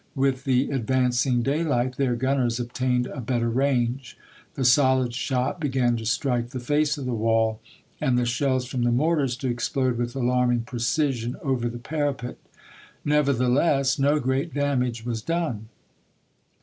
With the advancing day light their gunners obtained a better range; the solid shot began to strike the face of the wall, and the shells from the mortars to explode with alarm ing precision over the parapet. Nevertheless, no great damage was done.